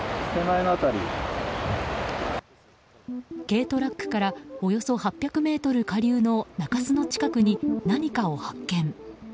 軽トラックからおよそ８００ｍ下流の中州の近くに何かを発見。